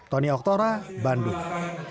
tony oktora bandung